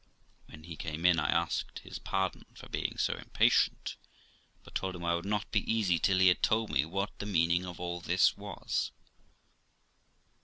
When he came in I asked his pardon for being so impatient, but told him I could not be easy till he had told me what the meaning of all this was.